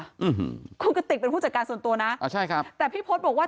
อื้อฮือคุณกระติกเป็นผู้จัดการส่วนตัวนะแต่พี่โพธบอกว่า